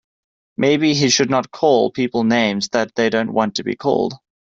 Maybe he should not call people names that they don't want to be called.